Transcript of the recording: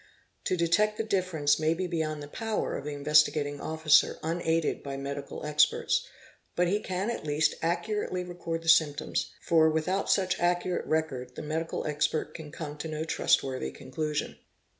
To detect the difference may be beyond the power of the Investigating Officer unaided by medical experts, but he can at least accurately record _ the symptoms, for without such accurate record the medical expert can come to no trustworthy conclusion.